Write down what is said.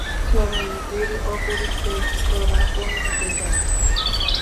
Sharon, bill অ-পরিশোধিতরা কোন দিকে যাবে।